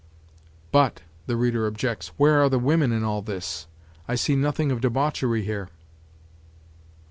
"But," the reader objects, "where are the women in all this? I see nothing of debauchery here."